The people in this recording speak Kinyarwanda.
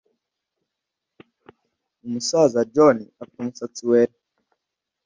Umusaza John ufite umusatsi wera,